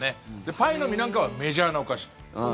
パイの実なんかはメジャーなお菓子。